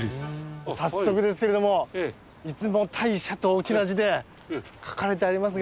早速ですけれども出雲大社と大きな字で書かれてありますが。